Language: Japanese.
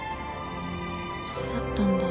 そうだったんだ。